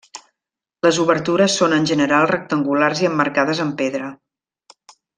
Les obertures són en general rectangulars i emmarcades amb pedra.